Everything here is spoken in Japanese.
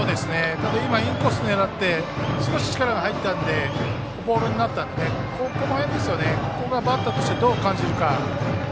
ただ、今のはインコースを狙って少し力が入ったのでボールになったのでここがバッターとしてどう感じるか。